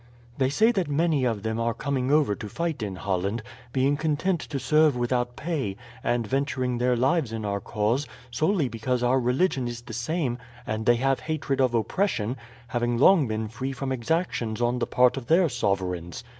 "They say that many of them are coming over to fight in Holland; being content to serve without pay, and venturing their lives in our cause, solely because our religion is the same and they have hatred of oppression, having long been free from exactions on the part of their sovereigns.